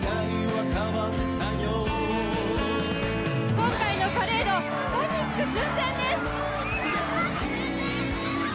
今回のパレード、パニック寸前です。